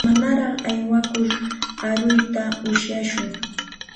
Manaraq aywakur aruyta ushashun.